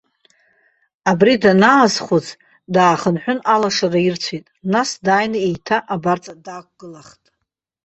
Абри данаазхәыц, даахынҳәын, алашара ирцәеит, нас дааины еиҭа абарҵа даақәгылахт.